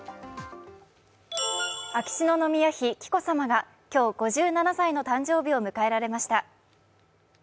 秋篠宮妃・紀子さまが今日、５７歳の誕生日を迎えられました。